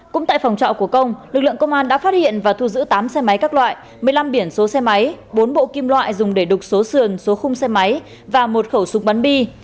cũng tại phòng trọ của công lực lượng công an đã phát hiện và thu giữ tám xe máy các loại một mươi năm biển số xe máy bốn bộ kim loại dùng để đục số sườn số khung xe máy và một khẩu súng bắn bi